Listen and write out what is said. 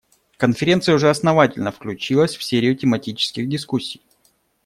Конференция уже основательно включилась в серию тематических дискуссий.